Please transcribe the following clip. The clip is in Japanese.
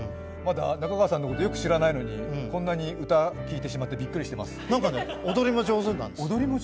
中川さんのこと、よく知らないのにこんなに聴いてしまって踊りも上手なんです。